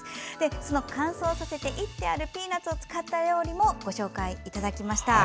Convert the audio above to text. その乾燥させて煎ってあるピーナツを使った料理もご紹介いただきました。